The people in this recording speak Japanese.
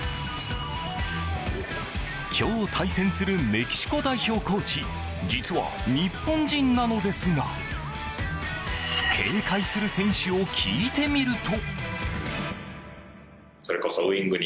今日対戦するメキシコ代表コーチ実は日本人なのですが警戒する選手を聞いてみると。